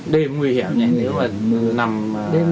đêm nguy hiểm nhỉ nếu mà nằm lẻo nó đổ chết